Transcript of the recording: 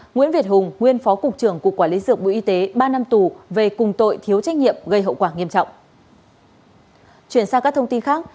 nguyễn việt hùng nguyên phó cục trưởng cục quản lý dược bộ y tế ba năm tù về cùng tội thiếu trách nhiệm gây hậu quả nghiêm trọng